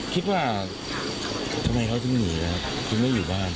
คิดว่าทำไมเขาถึงอยู่บ้าน